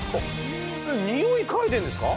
ニオイ嗅いでんですか？